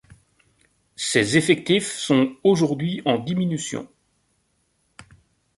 Ses effectifs sont aujourd'hui en diminution.